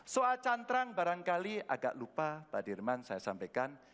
soal cantrang barangkali agak lupa pak dirman saya sampaikan